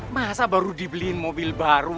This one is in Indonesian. masa baru dibeliin mobil baru